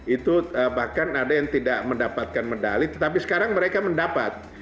itu bahkan ada yang tidak mendapatkan medali tetapi sekarang mereka mendapat